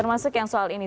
termasuk yang soal ini